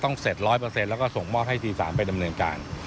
โดยรฟทจะประชุมและปรับแผนให้สามารถเดินรถได้ทันในเดือนมิถุนายนปี๒๕๖๓